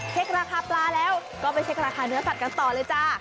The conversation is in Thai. เช็คราคาปลาแล้วก็ไปเช็คราคาเนื้อสัตว์กันต่อเลยจ้า